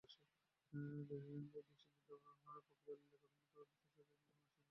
দেশে ভোট দেওয়ার প্রক্রিয়া লিয়াকতের মতো বিশেষ চাহিদাসম্পন্ন মানুষের জন্য মোটেও অনুকূলে নয়।